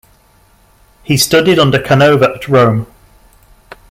He studied under Canova at Rome.